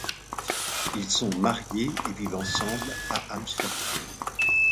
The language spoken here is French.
Ils sont mariés et vivent ensemble à Amsterdam.